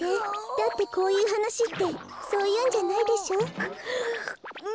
だってこういうはなしってそういうんじゃないでしょ？くっくっ。